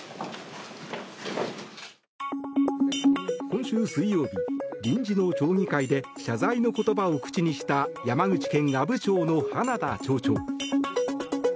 今週水曜日、臨時の町議会で謝罪の言葉を口にした山口県阿武町の花田町長。